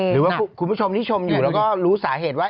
หรือว่าคุณผู้ชมที่ชมอยู่แล้วก็รู้สาเหตุว่า